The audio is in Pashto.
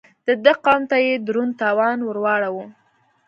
د ده قوم ته يې دروند تاوان ور واړاوه.